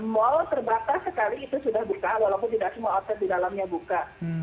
mal terbatas sekali itu sudah buka walaupun tidak semua outlet di dalamnya buka